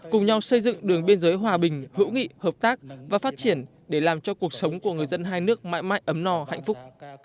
cùng nhau xây dựng đường biên giới hòa bình hữu nghị hợp tác và phát triển để làm cho cuộc sống của người dân hai nước mãi mãi ấm no hạnh phúc